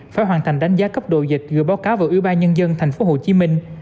phải hoàn thành đánh giá cấp độ dịch rồi báo cáo vào ủy ban nhân dân thành phố hồ chí minh